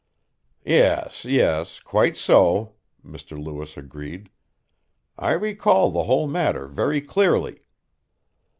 "Yes, yes. Quite so," Mr. Lewis agreed. "I recall the whole matter very clearly.